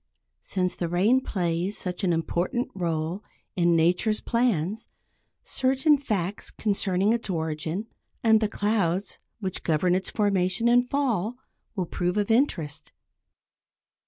Since the rain plays such an important role in nature's plans, certain facts concerning its origin, and the clouds which govern its formation and fall, will prove of interest.